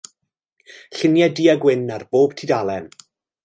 Lluniau du-a-gwyn ar bob tudalen.